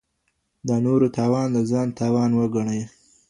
د نورو تاوان د ځان تاوان وګڼئ.